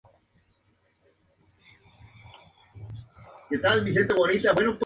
Se conformaría a parte una Asociación Civil sin fines de lucro, registrada No.